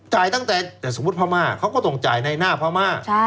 จ่ายตั้งแต่สมมุติพม่าเขาก็ต้องจ่ายในหน้าพม่า